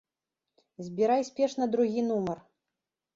Збірай спешна другі нумар.